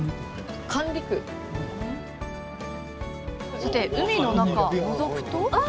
さて海の中のぞくとあ